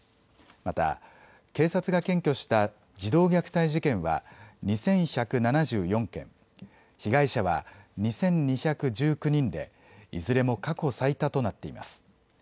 また、警察が検挙した児童虐待事件は２１７４件、被害者は２２１９人でいずれも過去最多となっています。